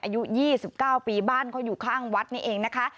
อายุยี่สิบเก้าปีบ้านเขาอยู่ข้างวัดนี่เองนะคะ